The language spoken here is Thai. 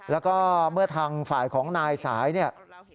แล้วก็เมื่อทางฝ่ายของนายสายเนี่ย